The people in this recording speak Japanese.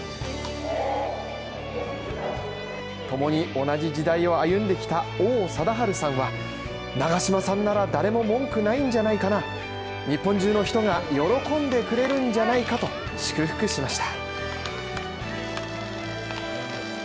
ともに同じ時代を歩んできた王貞治さんは長嶋さんなら誰も文句ないんじゃないかな日本中の人が喜んでくれるんじゃないかなと祝福しました。